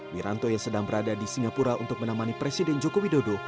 wiranto yang sedang berada di singapura untuk menemani presiden joko widodo